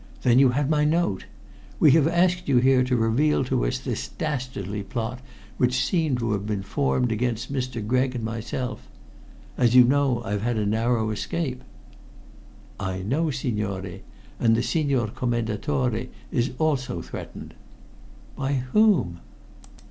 "Then you had my note! We have asked you here to reveal to us this dastardly plot which seemed to have been formed against Mr. Gregg and myself. As you know, I've had a narrow escape." "I know, signore. And the Signor Commendatore is also threatened." "By whom?"